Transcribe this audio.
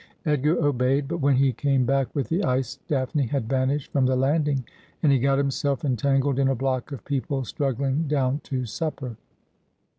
Edgar obeyed ; but when he came back with the ice Daphne had vanished from the landing, and he got himself entangled in a block of people struggling down to supper.